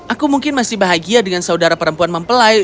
aku mungkin masih bahagia dengan saudara perempuan mempelai